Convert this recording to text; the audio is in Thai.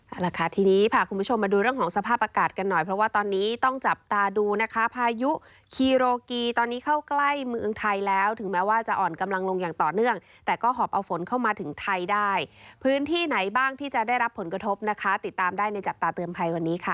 เอาละค่ะทีนี้พาคุณผู้ชมมาดูเรื่องของสภาพอากาศกันหน่อยเพราะว่าตอนนี้ต้องจับตาดูนะคะพายุคีโรกีตอนนี้เข้าใกล้เมืองไทยแล้วถึงแม้ว่าจะอ่อนกำลังลงอย่างต่อเนื่องแต่ก็หอบเอาฝนเข้ามาถึงไทยได้พื้นที่ไหนบ้างที่จะได้รับผลกระทบนะคะติดตามได้ในจับตาเตือนภัยวันนี้ค่ะ